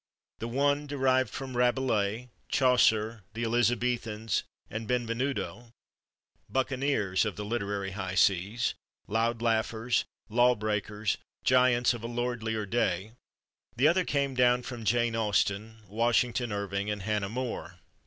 The one derived from Rabelais, Chaucer, the Elizabethans and Benvenuto—buccaneers of the literary high seas, loud laughers, law breakers, giants of a lordlier day; the other came down from Jane Austen, Washington Irving and Hannah More.